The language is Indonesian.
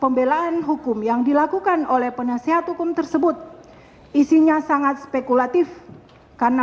pembelaan hukum yang dilakukan oleh penasehat hukum tersebut isinya sangat spekulatif karena